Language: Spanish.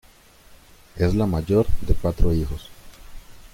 Es la mayor de cuatro hijos.